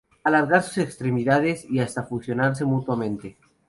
Alargar sus extremidades y hasta fusionarse mutuamente.